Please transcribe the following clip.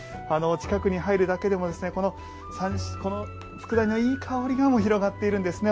近くに入るだけでもつくだ煮のいい香りが広がっているんですね